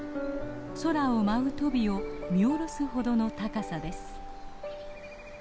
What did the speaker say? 空を舞うトビを見下ろすほどの高さです。